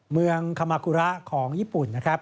เมืองคามากุระของญี่ปุ่นนะครับ